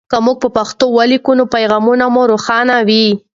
که موږ په پښتو ولیکو نو پیغام مو روښانه وي.